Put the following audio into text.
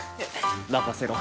まかせろ！